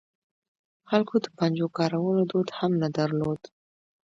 خلکو د پنجو کارولو دود هم نه درلود.